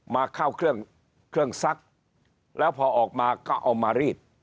มาเข้าเครื่องเครื่องซักแล้วพอออกมาก็เอามารีด